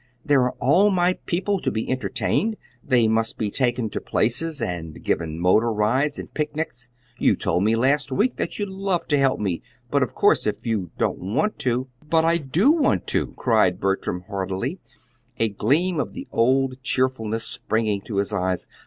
there are all my people to be entertained. They must be taken to places, and given motor rides and picnics. You told me last week that you'd love to help me; but, of course, if you don't want to " "But I do want to," cried Bertram, heartily, a gleam of the old cheerfulness springing to his eyes.